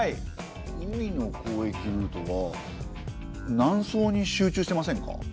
海の交易ルートは南宋に集中してませんか？